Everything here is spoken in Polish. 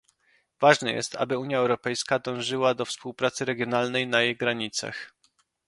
Ważne jest, aby Unia Europejska dążyła do współpracy regionalnej na jej granicach